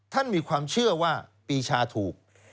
ท่านมีความเชื่อว่าปีชาถูก